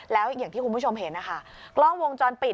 แล้วอย่างที่คุณผู้ชมเห็นนะคะกล้องวงจรปิด